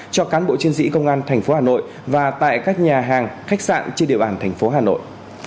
cho cán bộ chiến sĩ công an tp hà nội và tại các nhà hàng khách sạn trên địa bàn thành phố hà nội